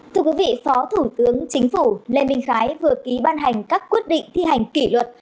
thưa quý vị phó thủ tướng chính phủ lê minh khái vừa ký ban hành các quyết định thi hành kỷ luật